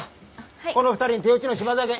この２人に手打ちの島酒。